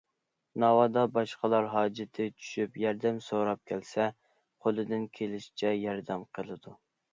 ناۋادا، باشقىلار ھاجىتى چۈشۈپ ياردەم سوراپ كەلسە، قولىدىن كېلىشىچە ياردەم قىلىدۇ.